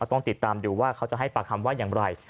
ต้องติดตามดูว่าเขาจะให้ปากคำว่าอย่างไร